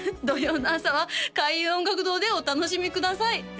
土曜の朝は開運音楽堂でお楽しみください